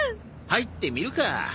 入ってみるか。